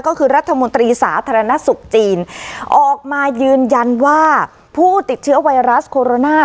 ก็คือรัฐมนตรีสาธารณสุขจีนออกมายืนยันว่าผู้ติดเชื้อไวรัสโคโรนา